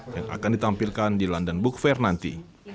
yang akan ditampilkan di london book fair nanti